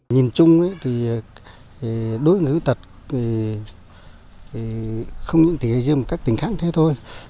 nhìn chung đối với tật không những tỉ hệ riêng các tỉnh khác thế thôi